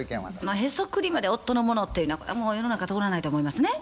ヘソクリまで夫のものっていうのはこれはもう世の中通らないと思いますね。